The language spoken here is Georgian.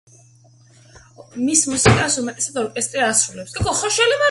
მის მუსიკას უმეტესად ორკესტრი ასრულებს.